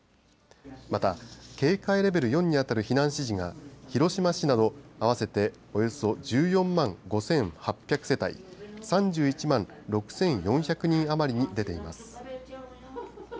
また警戒レベル４に当たる避難指示が広島市など合わせておよそ１４万５８００世帯３１万６４００人余りに出ています。